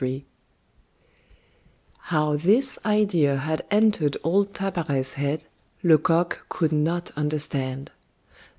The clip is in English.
XXV How this idea had entered old Tabaret's head, Lecoq could not understand.